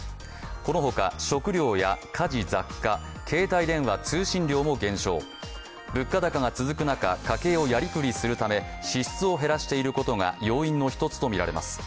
このほか食料や家事雑貨、携帯電話通信料も減少、物価高が続く中、家計をやり繰りするため支出を減らしていることが、要因の一つとみられます。